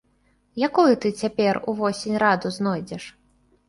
Якую ты цяпер увосень раду знойдзеш?